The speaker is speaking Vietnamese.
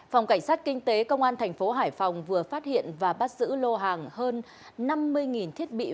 phòng cảnh sát kinh tế công an thành phố hải phòng vừa phát hiện và bắt giữ lô hàng hơn năm mươi thiết bị